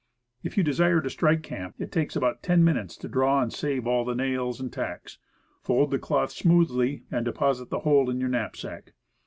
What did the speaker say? If you desire to strike camp, it takes about ten minutes to draw and save all the nails and tacks, fold the cloth smoothly, and deposit the whole in your knapsack.